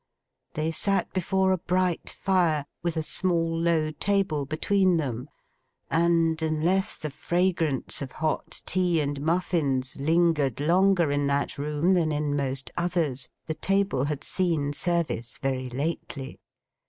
They sat before a bright fire, with a small low table between them; and unless the fragrance of hot tea and muffins lingered longer in that room than in most others, the table had seen service very lately.